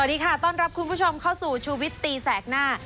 สวัสดีค่ะต้อนรับคุณผู้ชมเข้าสู่ชูวิตตีแสกหน้า